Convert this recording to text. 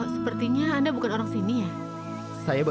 sepertinya anda bukan orang sini ya